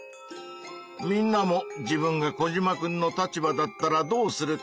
みんなも自分がコジマくんの立場だったらどうするか。